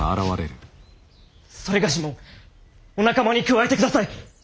某もお仲間に加えてください。